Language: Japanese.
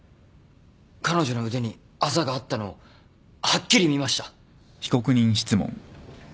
彼女の腕にあざがあったのをはっきり見ました。